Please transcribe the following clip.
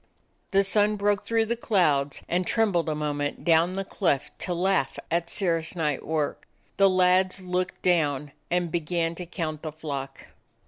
The sun broke through the clouds and trem bled a moment down the cleft to laugh at Sir rah's night work. The lads looked down and began to count the flock.